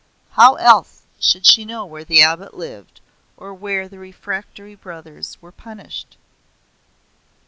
How else should she know where the abbot lived, or where the refractory brothers were punished?